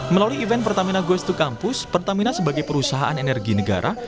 melalui event pertamina goes to campus pertamina sebagai perusahaan energi negara